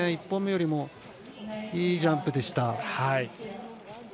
１本目よりもいいジャンプでした。